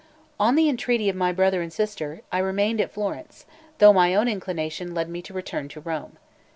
XLI ON the entreaty of my brother and sister, I remained at Florence, though my own inclination led me to return to Rome.